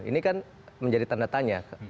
ini kan menjadi tanda tanya